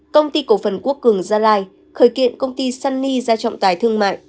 công ty cổ phần quốc cường gia lai khởi kiện công ty sunny ra trọng tài thương mại